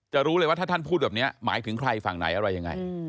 รู้เลยว่าถ้าท่านพูดแบบนี้หมายถึงใครฝั่งไหนอะไรยังไง